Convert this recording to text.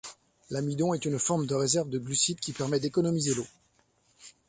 L'amidon est une forme de réserve de glucides qui permet d'économiser l'eau.